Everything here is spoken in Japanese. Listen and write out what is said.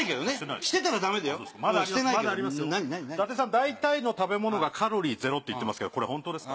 大体の食べ物がカロリーゼロって言ってますけどこれホントですか？